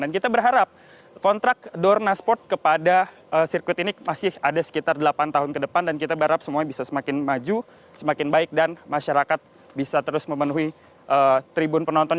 dan kita berharap kontrak dorna sport kepada sirkuit ini masih ada sekitar delapan tahun ke depan dan kita berharap semuanya bisa semakin maju semakin baik dan masyarakat bisa terus memenuhi tribun penonton